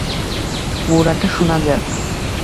পুরোটা শোনা যাক।